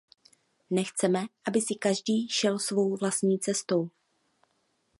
Nechceme, aby si každý šel svou vlastní cestou.